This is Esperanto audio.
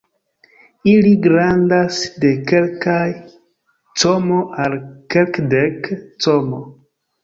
Ili grandas de kelkaj cm al kelkdek cm.